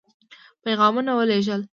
پيغامونه ولېږل.